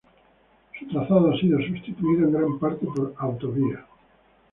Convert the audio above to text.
Su trazado ha sido sustituido en gran parte por autovía.